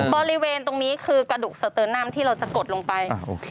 บริเวณตรงนี้คือกระดูกสเตอร์นัมที่เราจะกดลงไป